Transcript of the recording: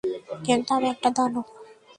কিন্তু আমি একটা দানব।